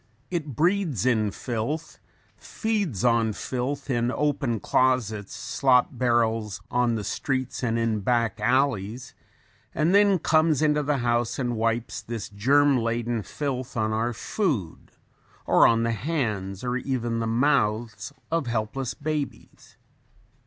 It breeds in filth, feeds on filth in open closets, slop barrels, on the streets and in back alleys and then comes into the house and wipes this germ laden filth on our food or on the hands or even in the mouths of helpless babies.